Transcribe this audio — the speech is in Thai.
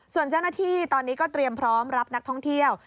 ส่วนเจ้าหน้าที่ตอนนี้ก็เตรียมพร้อมรับนักท่องเที่ยว